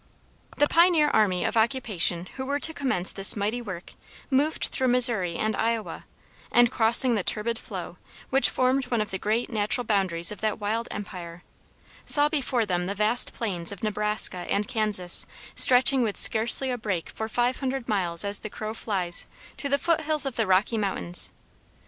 The pioneer army of occupation who were to commence this mighty work moved through Missouri and Iowa, and crossing the turbid flood which formed one of the great natural boundaries of that wild empire, saw before them the vast plains of Nebraska and Kansas stretching with scarcely a break for five hundred miles as the crow flies to the foot hills of the Rocky Mountains.